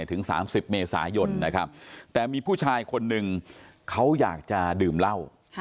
ถึง๓๐เมษายนนะครับแต่มีผู้ชายคนหนึ่งเขาอยากจะดื่มเหล้า